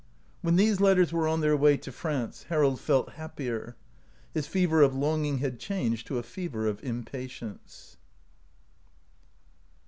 When these letters were on their way to France Harold felt happier. His fever of longing had changed to a fever of impa tience.